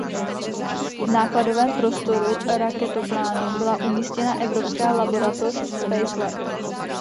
V nákladovém prostoru raketoplánu byla umístěna evropská laboratoř Spacelab.